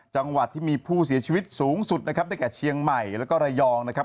จังหวัดที่มีผู้เสียชีวิตสูงสุดนะครับได้แก่เชียงใหม่แล้วก็ระยองนะครับ